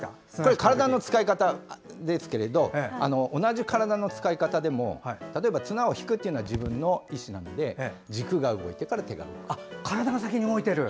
体の使い方ですけど同じ体の使い方でも例えば綱を引くというのは自分の意思なので軸が動いてから手が動く。